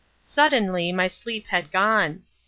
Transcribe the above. Suddenly my sleep had gone.